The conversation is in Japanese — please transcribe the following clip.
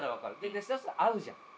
そしたら合うじゃん。